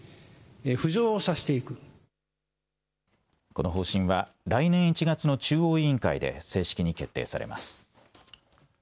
この方針は来年１月の中央委員会で正式に決定されます。